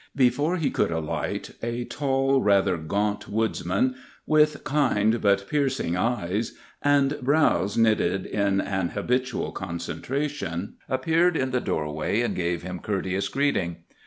Before he could alight, a tall, rather gaunt woodsman, with kind but piercing eyes and brows knitted in an habitual concentration, appeared in the doorway and gave him courteous greeting.